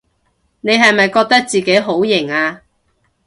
你係咪覺得自己好型吖？